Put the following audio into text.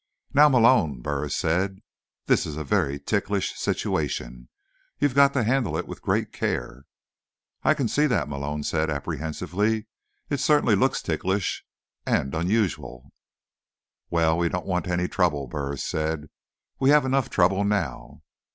"Now, Malone," Burris said, "this is a very ticklish situation. You've got to handle it with great care." "I can see that," Malone said apprehensively. "It certainly looks ticklish. And unusual." "Well, we don't want any trouble," Burris said. "We have enough trouble now."